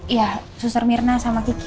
iya suster mirna sama kiki